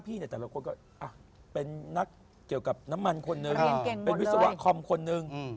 เป็นนักเกี่ยวกับน้ำมันคนหนึ่งเป็นวิศวะความคนนึง